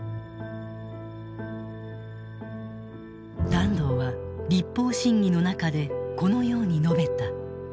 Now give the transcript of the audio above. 團藤は立法審議の中でこのように述べた。